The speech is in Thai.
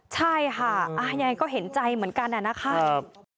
ใช่ค่ะยังไงก็เห็นใจเหมือนกันนะครับ